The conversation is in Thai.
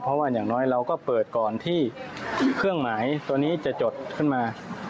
เพราะว่าอย่างน้อยเราก็เปิดก่อนที่เครื่องหมายตัวนี้จะจดขึ้นมา